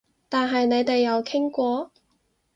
但係你哋有傾過？